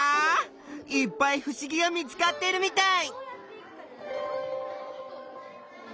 いっぱいふしぎが見つかってるみたい！